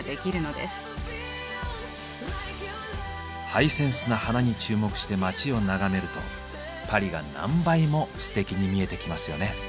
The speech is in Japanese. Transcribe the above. ハイセンスな花に注目して街を眺めるとパリが何倍もステキに見えてきますよね。